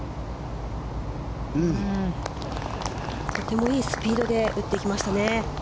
とてもいいスピードで打ってきましたね。